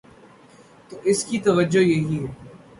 تو اس کی وجہ یہی ہے۔